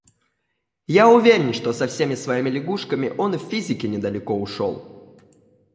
Я уверен, что со всеми своими лягушками он и в физике недалеко ушел.